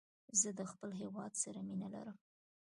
زه د خپل هېواد سره مینه لرم.